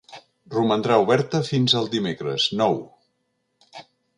Romandrà oberta fins el dimecres, nou.